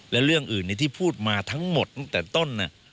และเรื่องอื่นที่พูดมาทั้งหมดตั้งแต่ต้น